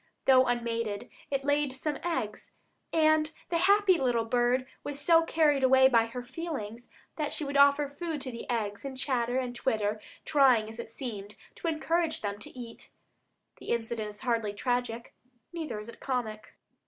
Though unmated, it laid some eggs, and the happy bird was so carried away by her feelings that she would offer food to the eggs, and chatter and twitter, trying, as it seemed, to encourage them to eat! The incident is hardly tragic, neither is it comic.